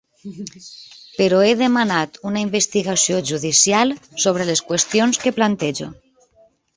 Però he demanat una investigació judicial sobre les qüestions que plantejo.